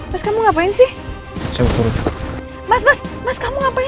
mas kamu ngapain turun kok